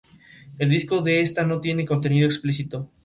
Vive en zonas de clima tropical, y sub-tropical.